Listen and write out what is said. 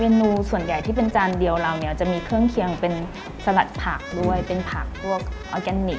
นูส่วนใหญ่ที่เป็นจานเดียวเราเนี่ยจะมีเครื่องเคียงเป็นสลัดผักด้วยเป็นผักพวกออร์แกนิค